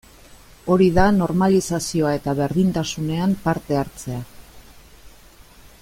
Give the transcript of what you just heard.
Hori da normalizazioa eta berdintasunean parte hartzea.